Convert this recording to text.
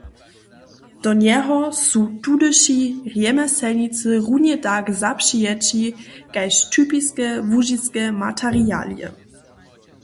Do njeho su tudyši rjemjeslnicy runje tak zapřijeći kaž typiske łužiske materialije.